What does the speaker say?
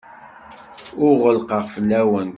Ur ɣellqeɣ fell-awent.